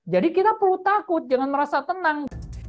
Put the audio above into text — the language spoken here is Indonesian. jadi kita perlu takut jangan merasa tenang